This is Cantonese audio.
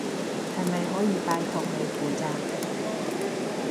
係咪可以拜託你負責？